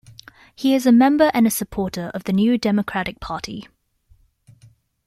He is a member and a supporter of the New Democratic Party.